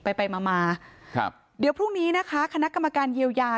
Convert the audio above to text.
ไปไปมามาครับเดี๋ยวพรุ่งนี้นะคะคณะกรรมการเยียวยา